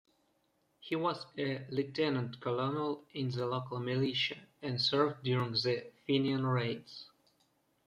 He was a lieutenant-colonel in the local militia and served during the Fenian raids.